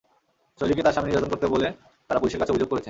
শৈলীকে তাঁর স্বামী নির্যাতন করতেন বলে তাঁরা পুলিশের কাছে অভিযোগ করেছেন।